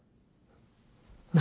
何？